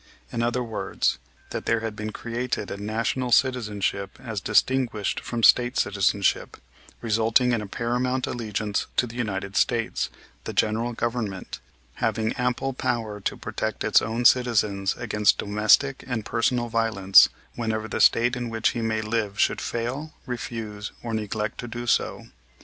In other words, that there had been created a National citizenship as distinguished from State citizenship, resulting in a paramount allegiance to the United States, the general Government, having ample power to protect its own citizens against domestic and personal violence whenever the State in which he may live should fail, refuse, or neglect to do so.